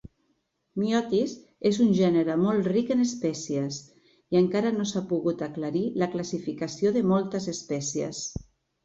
"Myotis" és un gènere molt ric en espècies, i encara no s'ha pogut aclarir la classificació de moltes espècies.